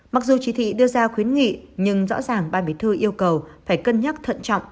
mặc dù chỉ thị đưa ra khuyến nghị nhưng rõ ràng ban bí thư yêu cầu phải cân nhắc thận trọng